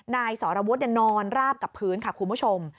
นายสรวุฒินอนราบกับพื้นค่ะคุณผู้ชม